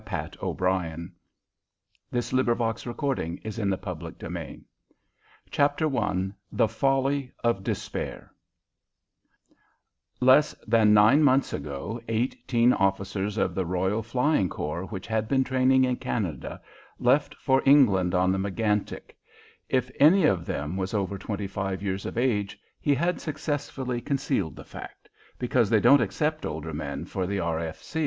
PAT O'BRIEN. MOMENCE, ILLINOIS, January 14, 1918. OUTWITTING THE HUN I THE FOLLY OF DESPAIR Less than nine months ago eighteen officers of the Royal Flying Corps, which had been training in Canada, left for England on the Megantic. If any of them was over twenty five years of age, he had successfully concealed the fact, because they don't accept older men for the R.